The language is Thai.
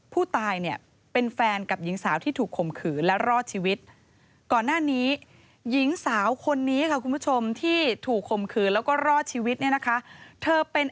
ผู้ตายเป็นแฟนกับหญิงสาวที่ถูกข่มขืนและรอดชีวิต